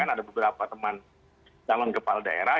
ada beberapa teman calon kepala daerah